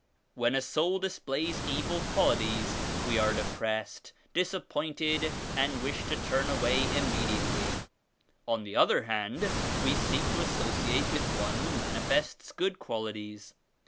When a soul displays evil qualities we are depressed, disappointed and wish to turn away immediately. On the other hand we seek to associate with one who manifests good qualities.